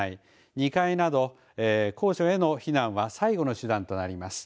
２階などを高所への避難は最後の手段となります。